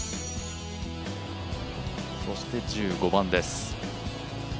そして１５番です。